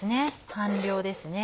半量です。